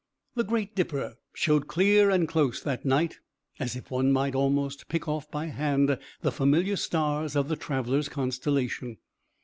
The Great Dipper showed clear and close that night, as if one might almost pick off by hand the familiar stars of the traveler's constellation.